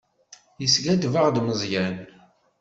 Yeskaddeb-aɣ-d Meẓyan.